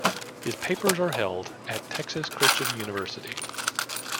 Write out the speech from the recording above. His papers are held at Texas Christian University.